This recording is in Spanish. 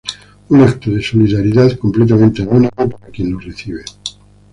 Un acto de solidaridad completamente anónimo para quien lo recibe.